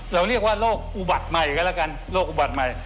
เราเรียกว่าโรคอุบัติใหม่ก็แล้วกันโรคอุบัติใหม่